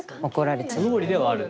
不条理ではある。